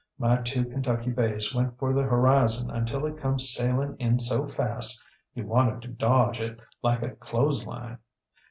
My two Kentucky bays went for the horizon until it come sailing in so fast you wanted to dodge it like a clothesline.